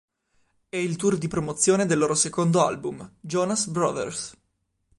È il tour di promozione del loro secondo album, "Jonas Brothers".